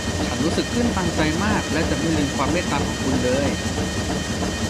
ฉันรู้สึกตื้นตันใจมากและจะไม่ลืมความเมตตาของคุณเลย